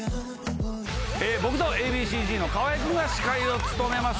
僕とＡ．Ｂ．Ｃ−Ｚの河合くんが司会を務めます